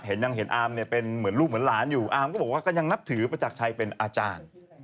ยังเห็นอามเนี่ยเป็นเหมือนลูกเหมือนหลานอยู่อามก็บอกว่าก็ยังนับถือประจักรชัยเป็นอาจารย์